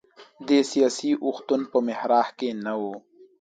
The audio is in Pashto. د سیاسي اوښتونونو په محراق کې نه و.